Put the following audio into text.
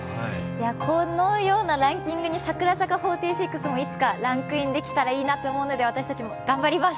このようなランキングに櫻坂４６もいつかランクインできたらいいなと思うので、私たちも頑張ります！